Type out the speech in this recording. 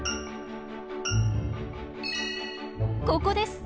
ここです！